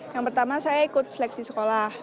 yang pertama saya ikut seleksi sekolah